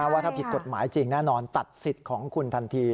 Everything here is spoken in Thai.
ว่าถ้าผิดกฎหมายจริงแน่นอนตัดสิทธิ์ของคุณทันที